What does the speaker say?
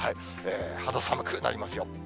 肌寒くなりますよ。